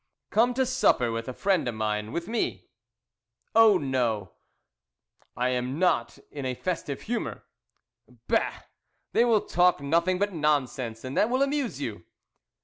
"Come to supper with a friend of mine, with me." "Oh, no I am not in a festive humour." "Bah! They will talk nothing but nonsense, and that will amuse you."